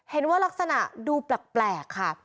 เห็นว่ารักษณะดูแปลกค่ะ